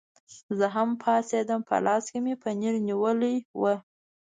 زه هم پاڅېدم، په لاس کې مې پنیر نیولي ول.